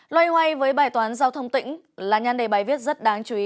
loay hoay với bài toán giao thông tỉnh là nhan đề bài viết rất đáng chú ý